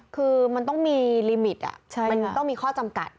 คือมันต้องมีลิมิตมันต้องมีข้อจำกัด